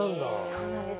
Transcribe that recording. そうなんです。